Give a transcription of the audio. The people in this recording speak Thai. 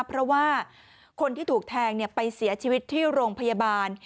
เพราะว่าคนที่ถูกแทงไปเสียชีวิตที่โรงพยาบาล